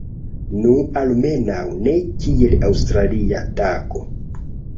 Nu, almenaŭ ne kiel aŭstralia tako